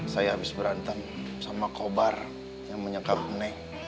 saya habis berantem sama kobar yang menyengkap neng